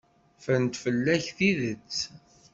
Ffrent fell-ak tidet.